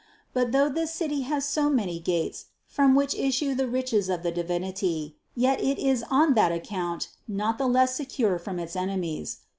But though this City has so many gates, from which issue the riches of the Divinity, yet it is on that account not the less secure from its enemies.